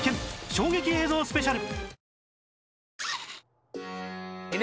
衝撃映像スペシャル